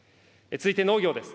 続いて農業です。